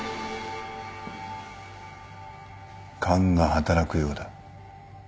勘が働くようだ。